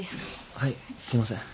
はいすいません。